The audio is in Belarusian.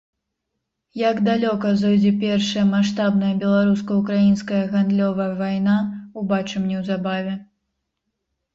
Як далёка зойдзе першая маштабная беларуска-украінская гандлёвая вайна, убачым неўзабаве.